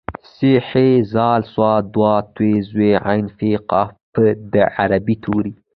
ث ح ذ ص ض ط ظ ع ف ق په د عربۍ توري